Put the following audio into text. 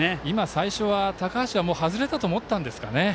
最初は高橋がもう外れたと思ったんですかね。